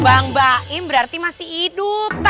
bang baim berarti masih hidup